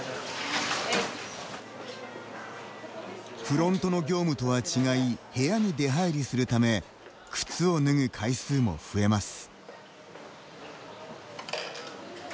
フロントの業務とは違い部屋に出はいりするため靴を脱ぐ回数も増えます。